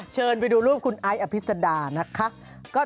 เชิญไปดูรูปคุณไอ้อภิษดานะคะ